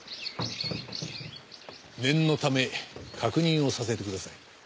念のため確認をさせてください。